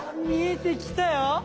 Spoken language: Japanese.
見えてきたよ！